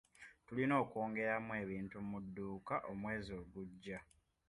Tulina okwongeramu ebintu mu dduuka omwezi ogujja.